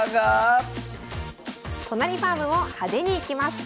都成ファームも派手にいきます。